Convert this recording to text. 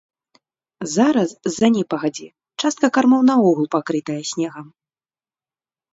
Зараз з-за непагадзі частка кармоў наогул пакрытая снегам.